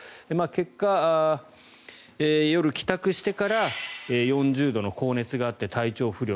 結果、夜、帰宅してから４０度の高熱があって体調不良。